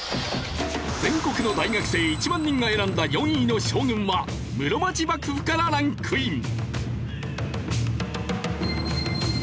全国の大学生１万人が選んだ４位の将軍は室町幕府からランクイン。